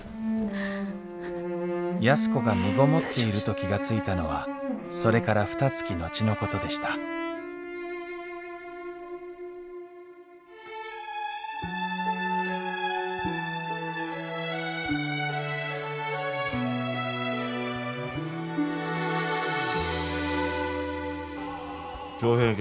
安子がみごもっていると気が付いたのはそれからふたつき後のことでした徴兵検査はいつなら？